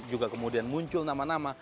juga kemudian muncul nama nama